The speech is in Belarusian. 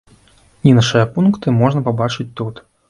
Іншыя пункты можна пабачыць тут.